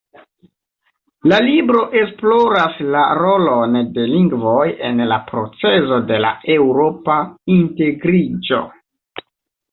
La libro esploras la rolon de lingvoj en la procezo de la eŭropa integriĝo.